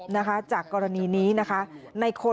นะคะจากกรณีนี้นะคะ